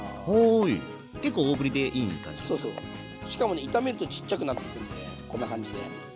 しかもね炒めるとちっちゃくなってくるんでこんな感じで。